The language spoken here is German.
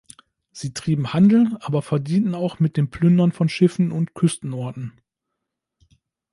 Sie trieben Handel, aber verdienten auch mit dem Plündern von Schiffen und Küstenorten.